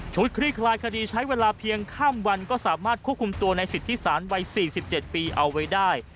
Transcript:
คลี่คลายคดีใช้เวลาเพียงข้ามวันก็สามารถควบคุมตัวในสิทธิสารวัย๔๗ปีเอาไว้ได้